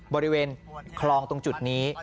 บริเวณคลองตรงจุดนี้